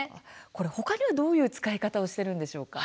他には、どういう使い方をしているんでしょうか。